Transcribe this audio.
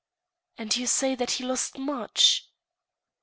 " And you say that he lost much ?